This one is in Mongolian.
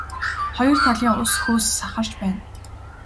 Хоёр талын ус хөөс сахарч байна.